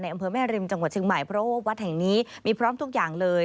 อำเภอแม่ริมจังหวัดเชียงใหม่เพราะว่าวัดแห่งนี้มีพร้อมทุกอย่างเลย